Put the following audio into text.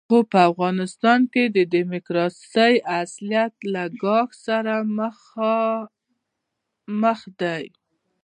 خو په افغانستان کې د ډیموکراسۍ اصالت ګواښ سره مخ دی.